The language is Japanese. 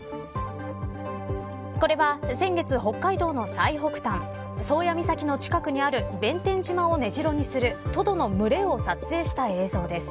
これは先月、北海道の最北端宗谷岬の近くにある弁天島を根城にするトドの群れを撮影した映像です。